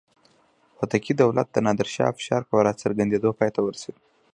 هوتکي دولت د نادر شاه افشار په راڅرګندېدو پای ته ورسېد.